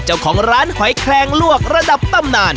เจ้าของร้านหอยแคลงลวกระดับตำนาน